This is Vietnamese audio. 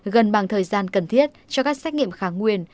gần bằng thời gian cần thiết cho các xét nghiệm kháng nguyên